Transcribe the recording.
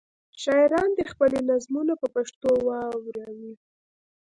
شاعران دې خپلې نظمونه په پښتو واوروي.